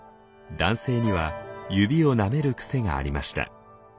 男性には指をなめる癖がありました。